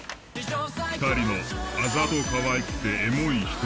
２人のあざとかわいくてエモいひと言。